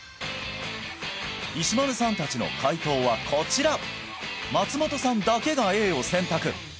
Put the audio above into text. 石丸さん達の解答はこちら松本さんだけがＡを選択